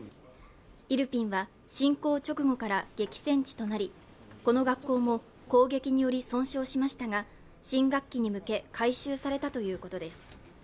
イルピンは侵攻直後から激戦地となり、この学校も攻撃により損傷しましたが新学期に向け改修されたということです。